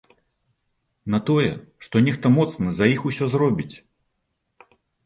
На тое, што нехта моцны за іх усё зробіць.